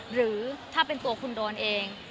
หรือถ้าเป็นตัวคุณโดนเอง